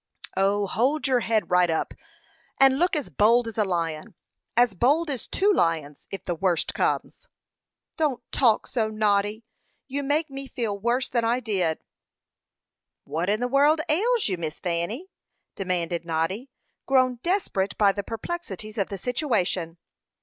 "O, hold your head right up, and look as bold as a lion as bold as two lions, if the worst comes." "Don't talk so, Noddy. You make me feel worse than I did." "What in the world ails you, Miss Fanny?" demanded Noddy, grown desperate by the perplexities of the situation.